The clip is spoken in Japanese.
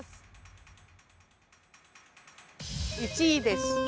１位です。